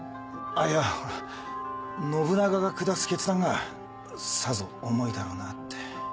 あいやほら信長が下す決断がさぞ重いだろうなって。